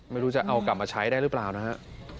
ไม่รู้จะเอากลับมาใช้ได้หรือเปล่านะฮะ